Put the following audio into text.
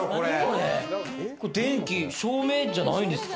照明じゃないんですか？